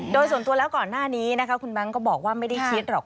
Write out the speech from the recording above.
โดยส่วนตัวแล้วก่อนหน้านี้นะคะคุณแบงค์ก็บอกว่าไม่ได้คิดหรอก